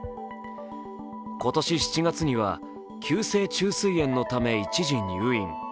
今年７月には急性虫垂炎のため一時入院。